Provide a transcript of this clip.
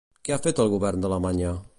Què ha fet el govern d'Alemanya?